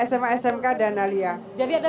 sma smk dan alia jadi ada